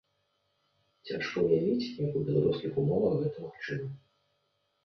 Цяжка ўявіць, як у беларускіх умовах гэта магчыма.